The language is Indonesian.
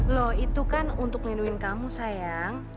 loh itu kan untuk melindungi kamu sayang